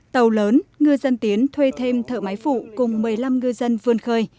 tàu lớn ngư dân tiến thuê thêm thợ máy phụ cùng một mươi năm ngư dân vươn khơi